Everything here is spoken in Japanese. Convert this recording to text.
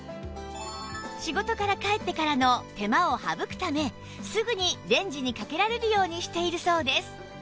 仕事から帰ってからの手間を省くためすぐにレンジにかけられるようにしているそうです